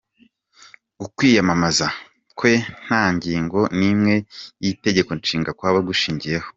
Ukwiyamamaza kwe nta ngingo n’imwe y’Itegekonshinga kwaba gushingiyeho.